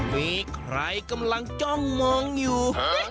มีใครกำลังจ้องมองอยู่